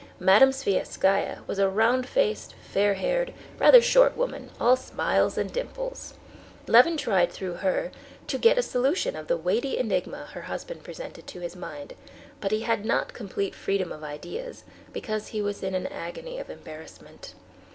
Madame Sviazhskaya was a round faced, fair haired, rather short woman, all smiles and dimples. Levin tried through her to get a solution of the weighty enigma her husband presented to his mind; but he had not complete freedom of ideas, because he was in an agony of embarrassment.